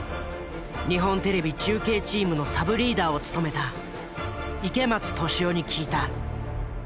日本テレビ中継チームのサブリーダーを務めた池松俊雄に聞いた。